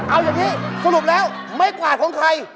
เอาอย่างนี้สรุปแล้วไม้กวาดของใคร